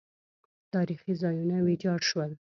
تاریخي ځایونه ویجاړ شول